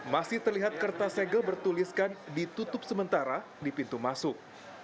masih terlihat kertas segel bertuliskan ditutup sementara di pintu masuk